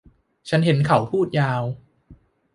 ฉันเห็นเขาพูดยาว